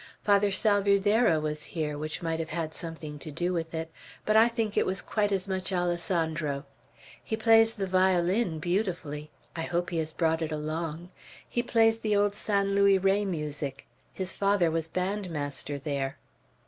Father Salvierderra was here, which might have had something to do with it; but I think it was quite as much Alessandro. He plays the violin beautifully. I hope he has brought it along. He plays the old San Luis Rey music. His father was band master there."